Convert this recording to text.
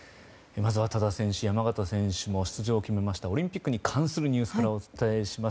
まずは多田選手、山縣選手も出場を決めましたオリンピックに関するニュースからお伝えします。